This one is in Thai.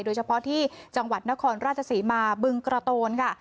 โดยเฉพาะที่จังหวัดนครราชศรีมาบึงกระโตนค่ะ